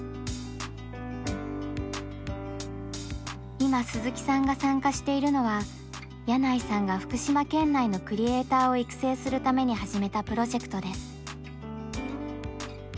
今鈴木さんが参加しているのは箭内さんが福島県内のクリエーターを育成するために始めたプロジェクトです。